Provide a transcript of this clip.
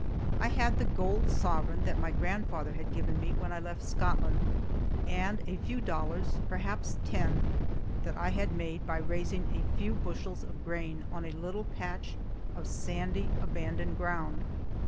I had the gold sovereign that my grandfather had given me when I left Scotland, and a few dollars, perhaps ten, that I had made by raising a few bushels of grain on a little patch of sandy abandoned ground.